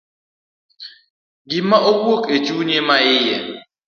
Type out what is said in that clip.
Gima owuok e chunye maiye.